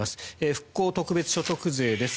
復興特別所得税です。